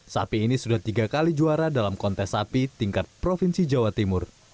sapi ini sudah tiga kali juara dalam kontes sapi tingkat provinsi jawa timur